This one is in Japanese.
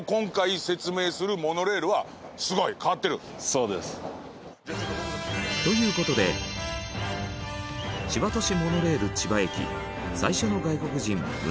そうです。という事で千葉都市モノレール、千葉駅最初の外国人胸